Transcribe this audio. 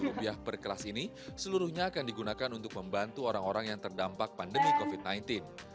rp lima per kelas ini seluruhnya akan digunakan untuk membantu orang orang yang terdampak pandemi covid sembilan belas